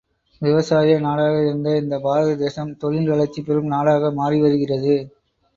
விவசாய நாடாக இருந்த இந்தப் பாரத தேசம் தொழில் வளர்ச்சி பெறும் நாடாக மாறி வருகிறது.